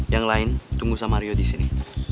yang lain tunggu sama rio di sini